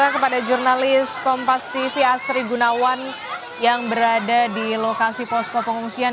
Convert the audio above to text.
kepada jurnalis kompas tv asri gunawan yang berada di lokasi posko pengungsian